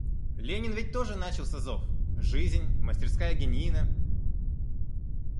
Ленин ведь тоже начал с азов, — жизнь — мастерская геньина.